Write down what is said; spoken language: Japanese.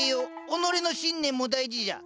己の信念も大事じゃ。